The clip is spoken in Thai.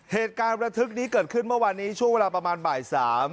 เหตุการณ์ระทึกนี้เกิดขึ้นเมื่อวานนี้ช่วงเวลาประมาณบ่าย๓